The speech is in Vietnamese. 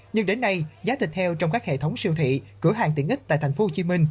nhưng đến nay giá thịt heo trong các hệ thống siêu thị cửa hàng tiện ích tại tp hcm